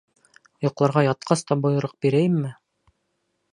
Йоҡларға ятҡас та бойороҡ бирәйемме?